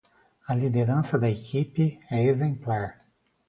A liderança da equipe é exemplar.